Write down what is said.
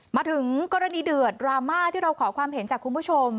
มาถึงกรณีเดือดดราม่าที่เราขอความเห็นจากคุณผู้ชม